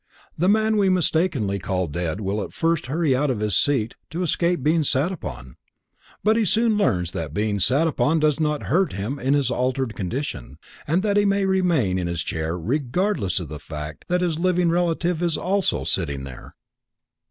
The man we mistakenly call dead will at first hurry out of his seat to escape being sat upon, but he soon learns that being sat upon does not hurt him in his altered condition, and that he may remain in his chair regardless of the fact that his living relative is also sitting there.